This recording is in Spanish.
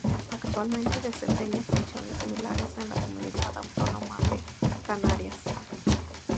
Actualmente desempeña funciones similares en la Comunidad Autónoma de Canarias.